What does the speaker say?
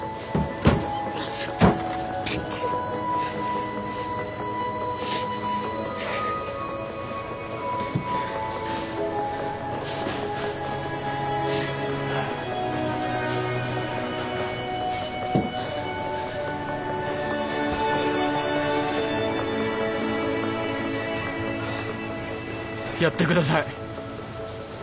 やってください。